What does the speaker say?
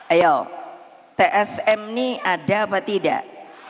ayo tsm ini ada apa tidak